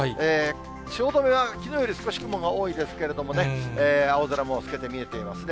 汐留はきのうより少し雲が多いですけれどもね、青空もすけて見えていますね。